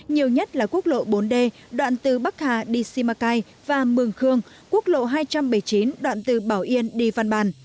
nhiều nhất là quốc lộ bốn d đoạn từ bắc hà đi simacai và mường khương quốc lộ hai trăm bảy mươi chín đoạn từ bảo yên đi văn bàn